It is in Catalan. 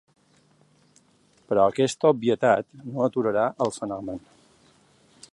Però aquesta obvietat no aturarà el fenomen.